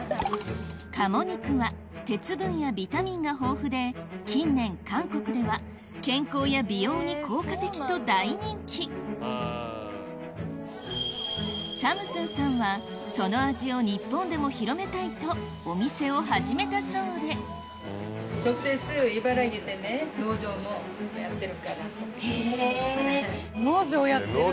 鴨肉は鉄分やビタミンが豊富で近年韓国では健康や美容に効果的と大人気サムスンさんはその味を日本でも広めたいとお店を始めたそうでへぇ。